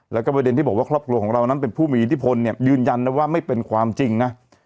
แล้วก็ประเด็นที่บอกว่าครอบครัวของเรานั้นเป็นผู้มีอิทธิพลเนี่ยยืนยันนะว่าไม่เป็นความจริงนะ